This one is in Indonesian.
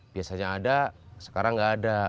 biasanya ada sekarang nggak ada